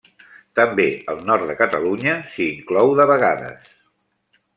També el nord de Catalunya s'hi inclou de vegades.